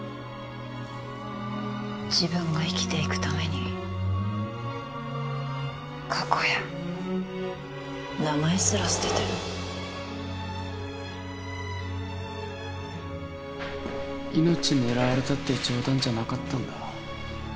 自分が生きていくために過去や名前すら捨てて命狙われたって冗談じゃなかったんだ